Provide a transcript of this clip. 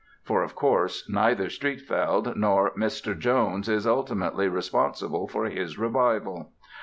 For, of course, neither Streatfeild nor Mr. Jones is ultimately responsible for his revival.